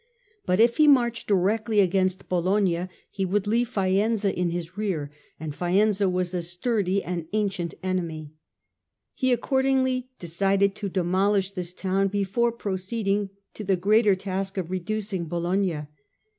But if he marched directly against Bologna he would leave Faenza in his rear, and Faenza was a sturdy and ancient enemy. He accordingly decided to demolish this town before proceeding to the greater task of reducing Bologna.